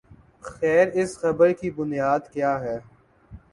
خر اس خبر کی بنیاد کیا ہے؟